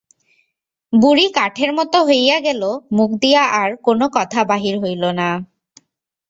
বুড়ি কাঠের মতো হইয়া গেল, মুখ দিয়া আর কোন কথা বাহির হইল না।